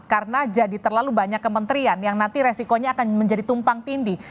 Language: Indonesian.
karena jadi terlalu banyak kementerian yang nanti resikonya akan menjadi tumpang tindih